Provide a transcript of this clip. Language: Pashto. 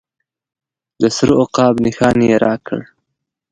د سره عقاب نښان یې راکړ.